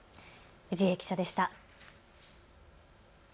氏家記者でした。